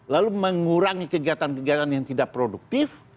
lalu mengurangi kegiatan kegiatan yang tidak produktif